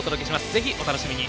ぜひお楽しみに。